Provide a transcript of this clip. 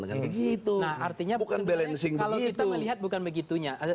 nah artinya bukan kalau kita melihat bukan begitunya